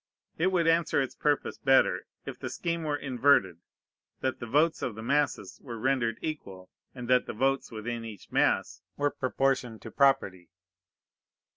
It would answer its purpose better, if the scheme were inverted: that the votes of the masses were rendered equal, and that the votes within each mass were proportioned to property.